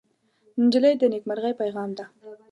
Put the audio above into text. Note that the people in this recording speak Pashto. نجلۍ د نیکمرغۍ پېغام ده.